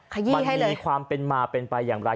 มันมีความเป็นมาเป็นไปอย่างไร